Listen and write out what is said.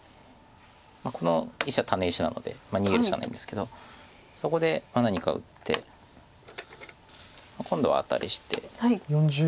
この１子はタネ石なので逃げるしかないんですけどそこで何か打って今度はアタリして。